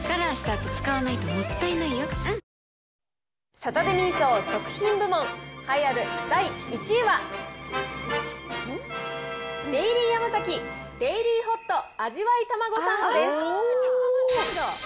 サタデミー賞食品部門、栄えある第１位は、デイリーヤマザキ、デイリーホット味わいタマゴサンドです。